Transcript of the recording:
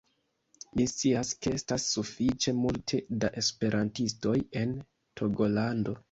Mi scias, ke estas sufiĉe multe da esperantistoj en Togolando